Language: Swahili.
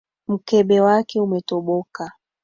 Mkebe wake umetoboka.